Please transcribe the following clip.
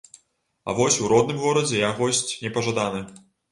А вось у родным горадзе я госць непажаданы.